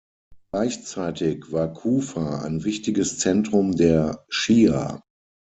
Gleichzeitig war Kufa ein wichtiges Zentrum der Schia.